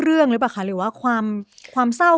หรือเปล่าคะหรือว่าความเศร้า